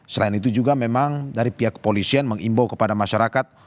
selain itu juga memang dari pihak kepolisian mengimbau kepada masyarakat